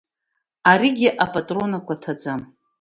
Аригьы апатронақәа ҭаӡам.